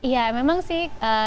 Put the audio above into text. ya memang sih